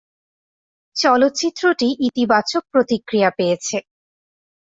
চলচ্চিত্রটি ইতিবাচক প্রতিক্রিয়া পেয়েছে।